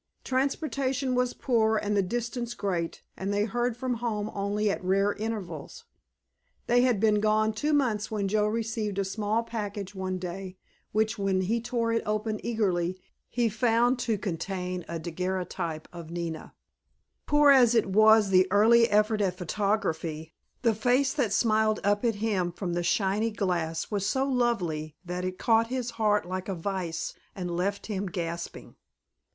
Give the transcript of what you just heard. Transportation was poor and the distance great, and they heard from home only at rare intervals. They had been gone two months when Joe received a small package one day, which, when he tore it open eagerly, he found to contain a daguerreotype of Nina. Poor as was the early effort at photography, the face that smiled up at him from the shiny glass was so lovely that it caught his heart like a vise and left him gasping.